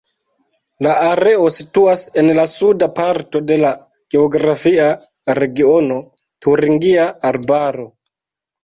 La areo situas en la suda parto de la geografia regiono Turingia Arbaro.